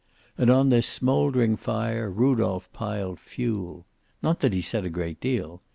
And on this smoldering fire Rudolph piled fuel Not that he said a great deal.